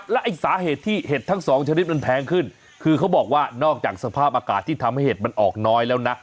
แล้วไอ้สาเหตุที่เห็ดทั้งสองชนิดมันแพงขึ้นคือเขาบอกว่านอกจากสภาพอากาศที่ทำให้เห็ดมันออกน้อยแล้วนะ